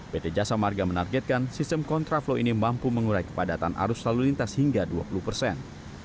pt jasa marga menargetkan sistem kontraflow ini mampu mengurai kepadatan arus lalu lintas hingga dua puluh persen